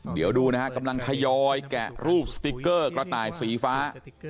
เดี๋ยวดูนะฮะกำลังทยอยแกะรูปสติ๊กเกอร์กระต่ายสีฟ้า